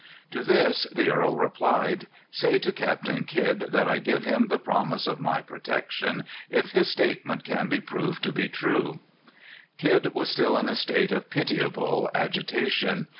To this the earl replied, "Say to Captain Kidd that I give him the promise of my protection if his statement can be proved to be true." Kidd was still in a state of pitiable agitation.